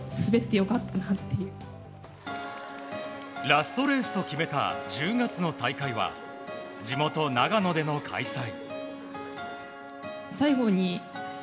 ラストレースと決めた１０月の大会は地元・長野での開催。